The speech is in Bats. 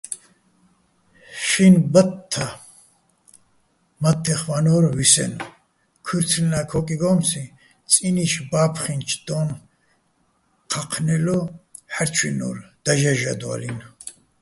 შინ ბათთა მათთეხ ვანო́რ ვისენო̆, ქუჲრთლენა ქოკიგომციჼ წინი́შ ბა́ფხინჩო დო́ნ ჴაჴნელო ჰ̦არჩვინო́რ დაჟე́ჟადვალინო̆.